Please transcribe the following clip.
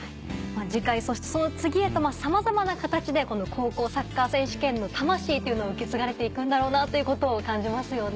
次回そしてその次へとさまざまな形でこの高校サッカー選手権の魂っていうのが受け継がれていくんだろうなということを感じますよね。